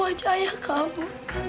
wajahnya itu wajah ayah kamu